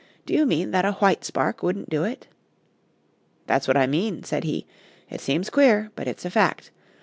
Do you mean that a white spark wouldn't do it?" "That's what I mean," said he. "It seems queer, but it's a fact.